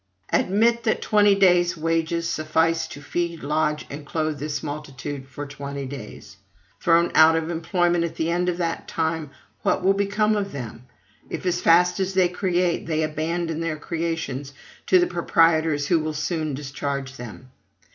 Admit that twenty days' wages suffice to feed, lodge, and clothe this multitude for twenty days: thrown out of employment at the end of that time, what will become of them, if, as fast as they create, they abandon their creations to the proprietors who will soon discharge them?